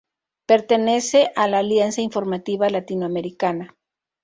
Pertenece a la Alianza Informativa Latinoamericana.